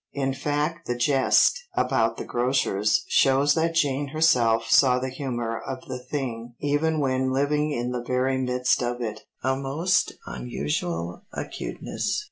In fact the jest about the grocers shows that Jane herself saw the humour of the thing even when living in the very midst of it, a most unusual acuteness.